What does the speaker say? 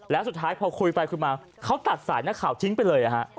แล้วสุดท้ายพอคุยไปคุยมาเขาตัดสายนักข่าวทิ้งไปเลย